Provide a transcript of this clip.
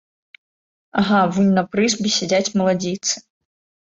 Ага, вунь на прызбе сядзяць маладзіцы.